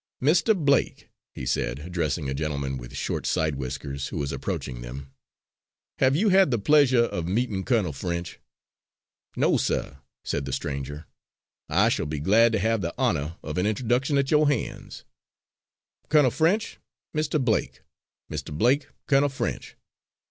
"Mr. Blake," he said, addressing a gentleman with short side whiskers who was approaching them, "have you had the pleasure of meeting Colonel French?" "No, suh," said the stranger, "I shall be glad to have the honour of an introduction at your hands." "Colonel French, Mr. Blake Mr. Blake, Colonel French.